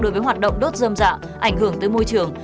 đối với hoạt động đốt dâm dạ ảnh hưởng tới môi trường